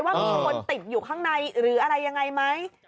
ว่ามีคนติดอยู่ข้างในหรืออะไรยังไงไหม